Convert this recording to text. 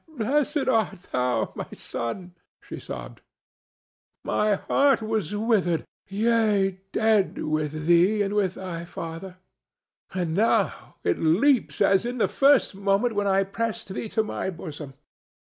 "Blessed art thou, my son!" she sobbed. "My heart was withered—yea, dead with thee and with thy father—and now it leaps as in the first moment when I pressed thee to my bosom."